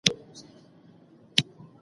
خوښي ده.